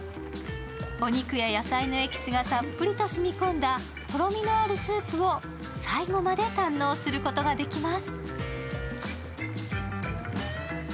お肉や野菜のエキスがたっぷりと染みこんだとろみのあるスープを最後まで堪能することができます。